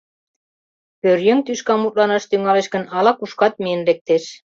Пӧръеҥ тӱшка мутланаш тӱҥалеш гын, ала-кушкат миен лектеш.